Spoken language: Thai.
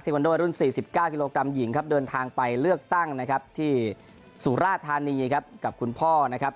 เทควันโดรุ่น๔๙กิโลกรัมหญิงครับเดินทางไปเลือกตั้งนะครับที่สุราธานีครับกับคุณพ่อนะครับ